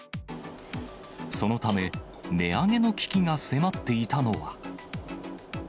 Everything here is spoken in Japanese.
そのため、値上げの危機が迫っていたのは。